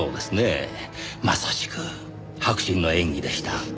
まさしく迫真の演技でした。